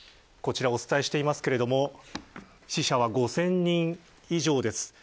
こちらお伝えしていますが死者は５０００人以上です。